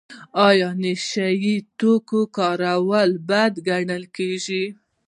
آیا د نشه یي توکو کارول بد نه ګڼل کیږي؟